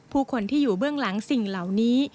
ผู้คนที่อยู่เบื้องหลังสิ่งเหล่านี้